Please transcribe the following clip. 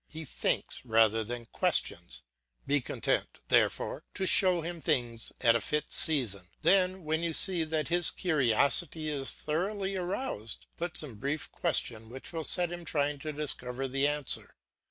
He thinks rather than questions. Be content, therefore, to show him things at a fit season; then, when you see that his curiosity is thoroughly aroused, put some brief question which will set him trying to discover the answer.